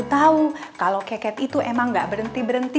tahu kalau keket itu emang gak berhenti berhenti